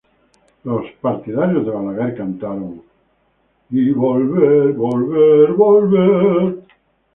Los partidarios de Balaguer cantaron "¡vuelve y vuelve!